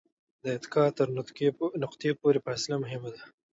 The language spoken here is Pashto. د اتکا تر نقطې پورې فاصله مهمه ده.